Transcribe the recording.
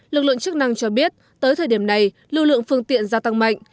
lực lượng chức năng cho biết tới thời điểm này lưu lượng phương tiện gia tăng mạnh